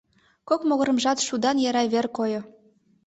Кок могырымжат шудан яра вер койо.